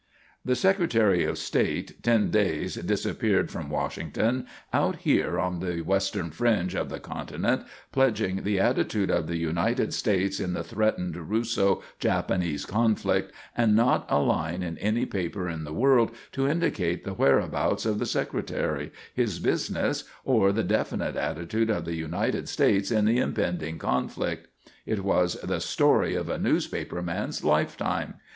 The Secretary of State, ten days disappeared from Washington, out here on the western fringe of the continent, pledging the attitude of the United States in the threatened Russo Japanese conflict and not a line in any paper in the world to indicate the whereabouts of the Secretary, his business, or the definite attitude of the United States in the impending conflict! It was the story of a newspaper man's lifetime.